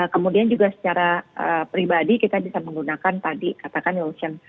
kemudian juga secara pribadi kita bisa menggunakan tadi katakan lelution